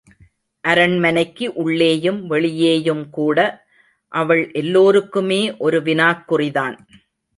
அரண்மனைக்கு உள்ளேயும் வெளியேயும் கூட, அவள் எல்லோருக்குமே ஒரு வினாக் குறிதான்!